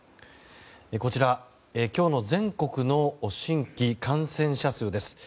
こちら、今日の全国の新規感染者数です。